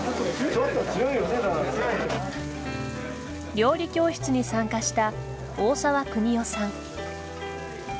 料理教室に参加した大澤邦夫さん。